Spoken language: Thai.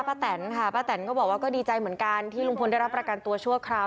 แตนค่ะป้าแตนก็บอกว่าก็ดีใจเหมือนกันที่ลุงพลได้รับประกันตัวชั่วคราว